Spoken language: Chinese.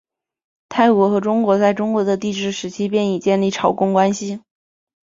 泰国和中国在中国的帝制时期便已经建立朝贡关系。